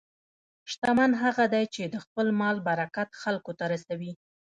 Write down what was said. شتمن هغه دی چې د خپل مال برکت خلکو ته رسوي.